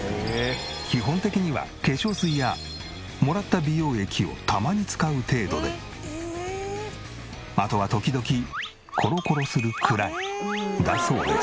基本的には化粧水やもらった美容液をたまに使う程度であとは時々コロコロするくらいだそうです。